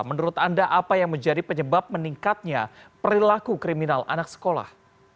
menurut anda apa yang menjadi penyebab meningkatnya perilaku kriminal anak sekolah